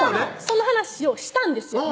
その話をしたんですよ